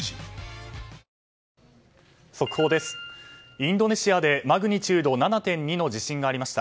インドネシアでマグニチュード７．２の地震がありました。